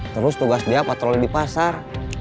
terus tugas dia patroli di pasar